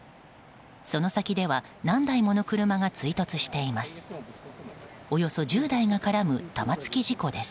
その先では何台もの車が追突しています。